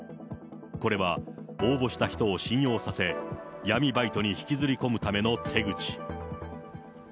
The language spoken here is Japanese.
これは応募した人を信用させ、闇バイトに引きずり込むための手口。